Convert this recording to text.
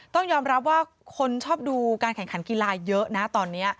ต้องยอมรับว่าคนชอบดูการแข่งขันกีฬาเยอะนะตอนนี้